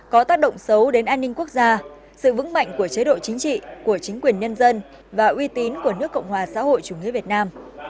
có tác động xấu đến an ninh quốc gia sự vững mạnh của chế độ chính trị của chính quyền nhân dân và uy tín của nước cộng hòa xã hội chủ nghĩa việt nam